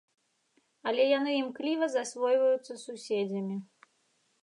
Але яны імкліва засвойваюцца суседзямі.